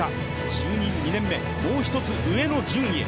就任２年目、もう一つ上の順位へ。